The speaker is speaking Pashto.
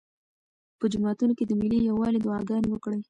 په جوماتونو کې د ملي یووالي دعاګانې وکړئ.